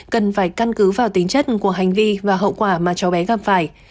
cần phải căn cứ vào tính chất của hành vi và hậu quả mà cháu bé gặp phải